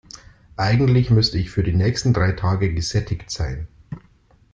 Eigentlich müsste ich für die nächsten drei Tage gesättigt sein.